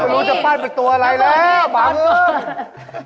คือหรือจะเป็นตัวอะไรแล้วบางเอ๊ย